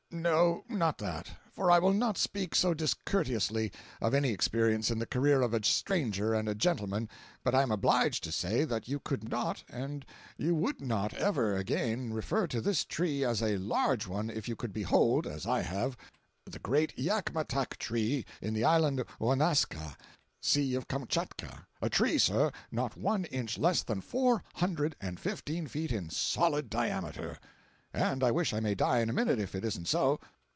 No, not that—for I will not speak so discourteously of any experience in the career of a stranger and a gentleman—but I am obliged to say that you could not, and you would not ever again refer to this tree as a large one, if you could behold, as I have, the great Yakmatack tree, in the island of Ounaska, sea of Kamtchatka—a tree, sir, not one inch less than four hundred and fifteen feet in solid diameter!—and I wish I may die in a minute if it isn't so!